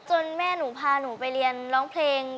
แม่หนูพาหนูไปเรียนร้องเพลง